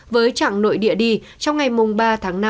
với trạng nội địa đi trong ngày ba tháng năm